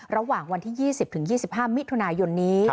ระหว่างวันที่๒๐๒๕มิถุนายนนี้